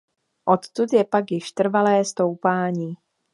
Odtud je pak již trvalé stoupání.